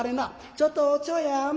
ちょっとおちょやん。